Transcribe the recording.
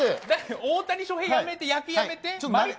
大谷翔平やめて、野球やめて？